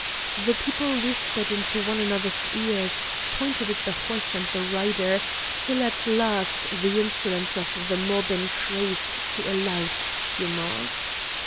The people whispered into one another's ears, pointed at the horse and rider, till at last the insolence of the mob increased to a loud tumult.